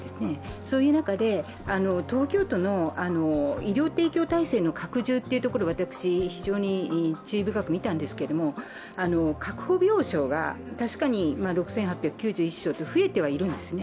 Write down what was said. そういう中で、東京都の医療提供体制の拡充というところ私、非常に注意深く見たんですけれども、確保病床が確かに６８９１床と増えてはいるんですね。